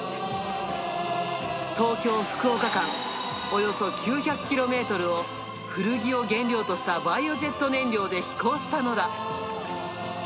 東京・福岡間、およそ９００キロメートルを、古着を原料としたバイオジェット燃料で飛行したのだ。